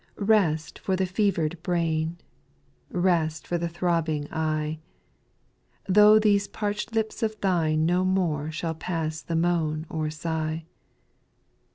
6. Rest for the fever'd brain. Rest for the throbbing eye ; Thro' these parch'd lips of thine no more Shall pass the moan or sigh.